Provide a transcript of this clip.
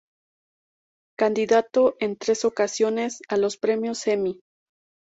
Candidato en tres ocasiones a los Premios Emmy.